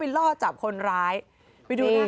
ให้ทำงาน